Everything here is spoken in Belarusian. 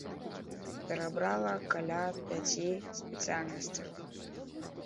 Перабрала каля пяці спецыяльнасцяў.